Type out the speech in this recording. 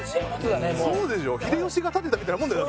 秀吉が建てたみたいなもんだよ。